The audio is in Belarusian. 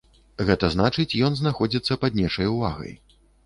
Гэта значыць ён знаходзіцца пад нечай увагай.